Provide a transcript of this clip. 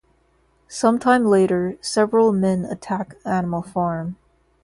Some time later, several men attack Animal Farm.